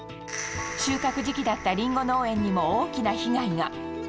収穫時期だったリンゴ農園にも大きな被害が。